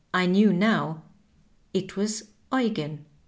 I knew now. It was Eugen.